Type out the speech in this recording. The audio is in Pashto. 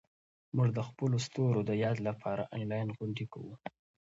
موږ د خپلو ستورو د یاد لپاره انلاین غونډې کوو.